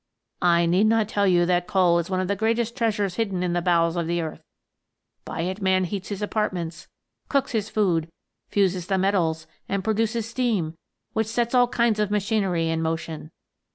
I need not tell you that coal is one of the greatest treasures hidden in the bowels of the earth. By it man heats his apart ments, cooks his food, fuses the metals, and produces steam, which sets all kinds of machinery in motion.